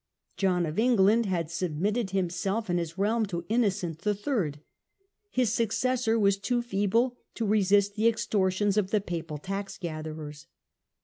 John of Eng land had submitted himself and his realm to Innocent III : his successor was too feeble to resist the extortions of the Papal tax gatherers.